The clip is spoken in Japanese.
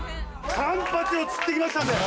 カンパチを釣ってきましたんで！